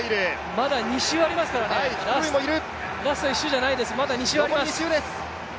まだ２周ありますからね、ラスト１周じゃないです、まだ２周です。